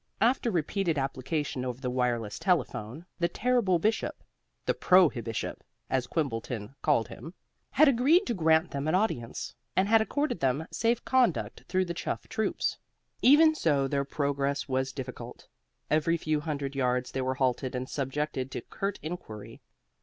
After repeated application over the wireless telephone, the terrible Bishop the Prohibishop, as Quimbleton called him had agreed to grant them an audience, and had accorded them safe conduct through the chuff troops. Even so, their progress was difficult. Every few hundred yards they were halted and subjected to curt inquiry.